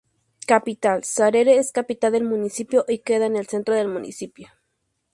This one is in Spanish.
Capital: Sarare es capital del municipio y queda en el centro del municipio.